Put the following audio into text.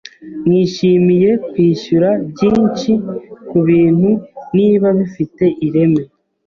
Nishimiye kwishyura byinshi kubintu niba bifite ireme.